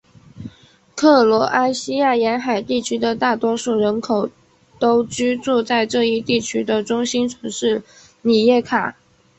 克罗埃西亚沿海地区的大多数人口都居住在这一地区的中心城市里耶卡。